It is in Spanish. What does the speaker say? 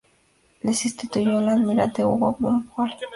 Le sustituyó el almirante Hugo von Pohl.